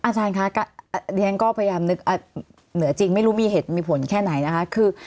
อาจารย์คะเรียนก็พยายามนึกเหนือจริงไม่รู้มีเหตุมีผลแค่ไหนนะคะคือ